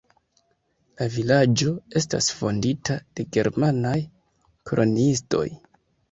La vilaĝo estis fondita de germanaj koloniistoj.